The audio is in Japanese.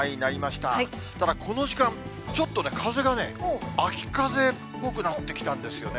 ただ、この時間、ちょっとね、風がね、秋風っぽくなってきたんですよね。